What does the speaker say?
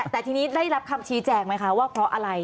แต่ทีนี้ได้รับคำชี้แจงไหมคะว่าเพราะอะไร